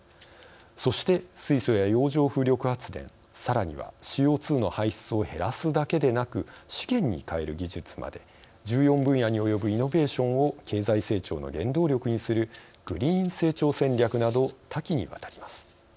そして、水素や洋上風力発電さらにはＣＯ２の排出を減らすだけでなく資源に変える技術まで１４分野に及ぶイノベーションを経済成長の原動力にするグリーン成長戦略など多岐にわたります。